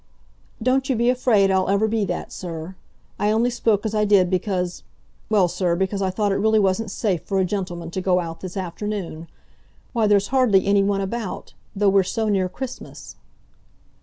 "Don't you be afraid I'll ever be that, sir. I only spoke as I did because—well, sir, because I thought it really wasn't safe for a gentleman to go out this afternoon. Why, there's hardly anyone about, though we're so near Christmas."